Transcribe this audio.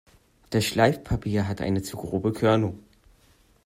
Das Schleifpapier hat eine zu grobe Körnung.